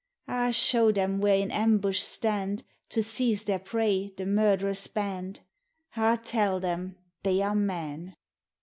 Ah, show them where in ambush stand, To seize their prey, the murderous band! Ah, tell them, they are men!